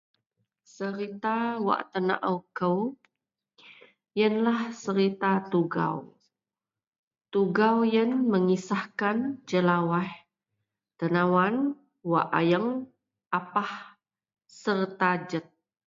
Cerita wak tenaow kou yen lah serita Tugau, Tugau yen mengisah kan tenawan wak ayeang apah serta jed,